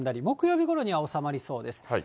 木曜日ごろには収まりそうです。